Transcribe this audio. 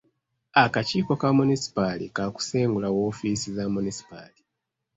Akakiiko ka munisipaali kaakusengula woofiisi za munisipaali.